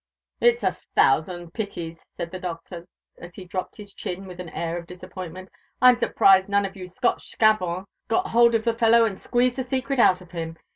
"It's a thousand pities," said the Doctor, as he dropped his chin with an air of disappointment. "I am surprised none of your Scotch scavans got hold of the fellow and squeezed the secret out of him.